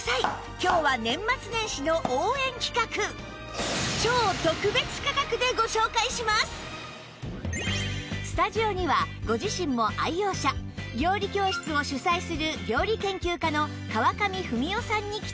今日はスタジオにはご自身も愛用者料理教室を主宰する料理研究家の川上文代さんに来て頂きました